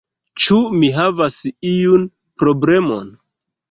Ĉu mi havas iun problemon?